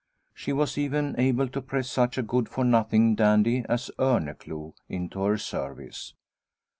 She was even able to press such a good for nothing dandy as Orneclou into her service.